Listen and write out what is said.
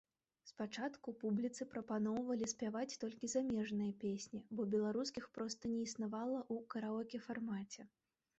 Спачатку публіцы прапаноўвалі спяваць толькі замежныя песні, бо беларускіх проста не існавала ў караоке-фармаце.